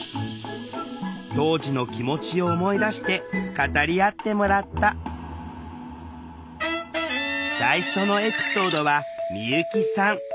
当時の気持ちを思い出して語り合ってもらった最初のエピソードは美由紀さん。